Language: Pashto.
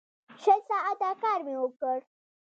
شل ساعته کار مې وکړ.